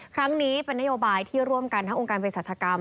ครั้งนี้เป็นนโยบายที่ร่วมกันทั้งองค์การเพศรัชกรรม